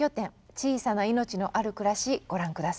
小さな命のある暮らし」ご覧下さい。